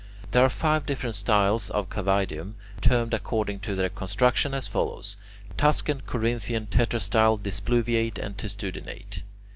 There are five different styles of cavaedium, termed according to their construction as follows: Tuscan, Corinthian, tetrastyle, displuviate, and testudinate.